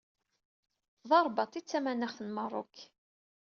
D Rrbaṭ i d tamanaɣt n Merruk.